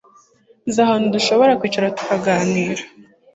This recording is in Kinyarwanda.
Nzi ahantu dushobora kwicara tukaganira